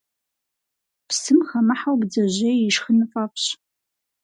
Псым хэмыхьэу бдзэжьей ишхын фӀэфӀщ.